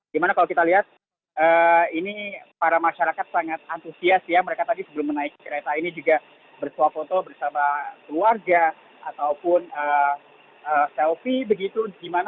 dimana kalau kita lihat ini para masyarakat sangat antusias ya mereka tadi sebelum menaiki kereta ini juga bersuap foto bersama keluarga ataupun selfie begitu